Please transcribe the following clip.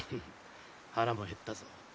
腹も減ったぞ。